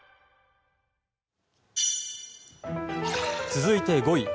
続いて５位。